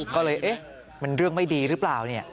ก็เลยเอ๊ะมันเรื่องไม่ดีหรือเปล่าเนี่ย